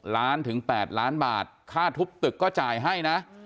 ล้านถึง๘ล้านบาทค่าทุบตึกก็จ่ายให้นะ